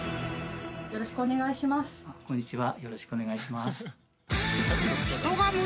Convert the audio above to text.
よろしくお願いします。